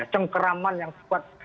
cengkeraman yang kuat